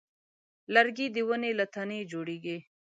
لرګی د ونې له تنه جوړېږي.